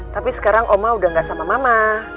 tapi sekarang oma udah gak sama mama